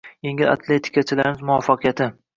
Yengil atletikachilarimiz muvaffaqiyati